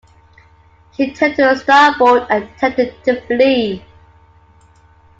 She turned to starboard and attempted to flee.